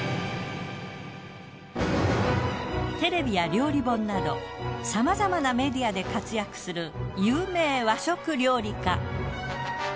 テレビや料理本などさまざまなメディアで活躍する有名和食料理家。